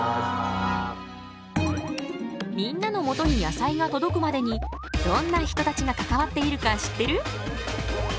みんなのもとに野菜が届くまでにどんな人たちが関わっているか知ってる？